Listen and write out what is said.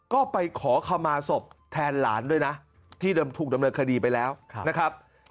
ก็ไปขอคำมาศพแทนหลานด้วยนะที่ถูกดำเนินคดีไปแล้วนะครับ